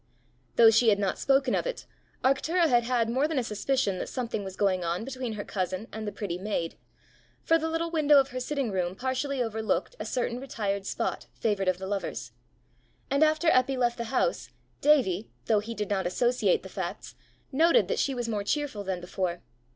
Though she had not spoken of it, Arctura had had more than a suspicion that something was going on between her cousin and the pretty maid; for the little window of her sitting room partially overlooked a certain retired spot favoured of the lovers; and after Eppy left the house, Davie, though he did not associate the facts, noted that she was more cheerful than before.